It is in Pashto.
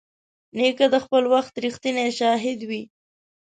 نیکه د خپل وخت رښتینی شاهد وي.